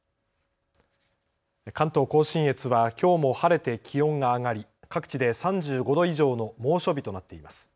関東甲信越はきょうも晴れて気温が上がり各地で３５度以上の猛暑日となっています。